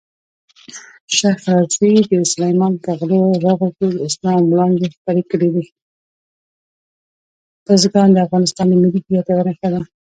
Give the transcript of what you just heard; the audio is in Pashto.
بزګان د افغانستان د ملي هویت یوه نښه ده.